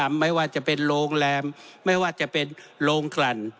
ไม่ว่าจะเป็นโรงแรมไม่ว่าจะเป็นโรงกลั่น